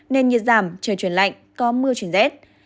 nên nhiệt giảm trời chuyển lạnh có mưa chuyển rét